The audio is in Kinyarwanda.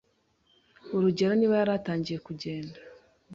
Urugero niba yari atangiye kugenda